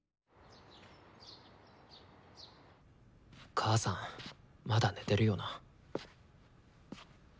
母さんまだ寝てるよな。